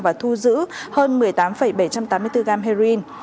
và thu giữ hơn một mươi tám bảy trăm tám mươi bốn gram heroin